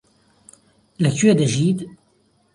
لەکوێ دژیت؟